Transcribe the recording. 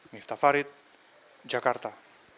miftah farid jakarta